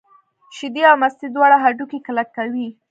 شیدې او مستې دواړه هډوکي کلک کوي.